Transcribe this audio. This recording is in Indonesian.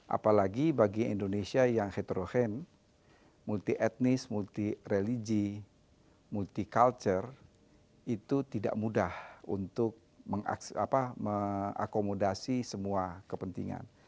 apalagi bagi indonesia yang heterogen multi etnis multi religi multi culture itu tidak mudah untuk mengakomodasi semua kepentingan